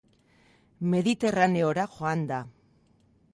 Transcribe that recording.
Mediterraneora joan da.